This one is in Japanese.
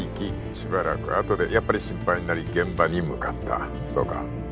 しばらくあとでやっぱり心配になり現場に向かったそうか？